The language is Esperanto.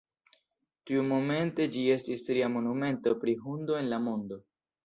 Tiumomente ĝi estis tria monumento pri hundo en la mondo.